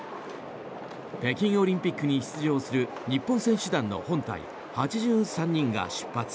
北京オリンピックに出場する日本選手団の本隊８３人が出発。